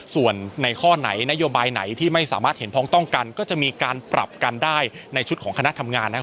ส่วนในข้อไหนนโยบายไหนที่ไม่สามารถเห็นพ้องต้องกันก็จะมีการปรับกันได้ในชุดของคณะทำงานนะครับ